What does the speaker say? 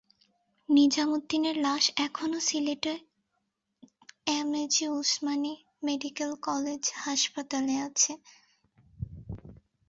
নিজাম উদ্দিনের লাশ এখনো Sylhet A G Osmani medical college হাসপাতালে আছে।